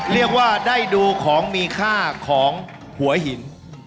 เรียกว่าได้ดูของมีค่าของหัวหิน